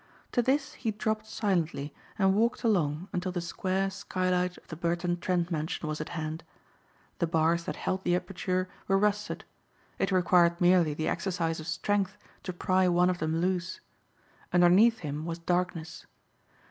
To this he dropped silently and walked along until the square skylight of the Burton Trent mansion was at hand. The bars that held the aperture were rusted. It required merely the exercise of strength to pry one of them loose. Underneath him was darkness.